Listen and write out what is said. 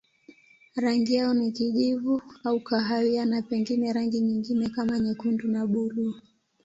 Rangi yao ni kijivu au kahawia na pengine rangi nyingine kama nyekundu na buluu.